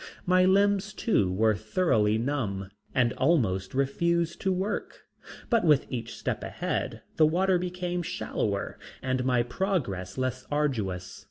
My limbs too were thoroughly numb and almost refused to work, but with each step ahead the water became shallower and my progress less arduous.